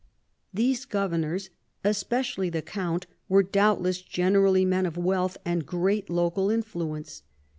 These governors, especially the count, were doubtless generally men of wealth and great local influence.